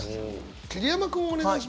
桐山君お願いします。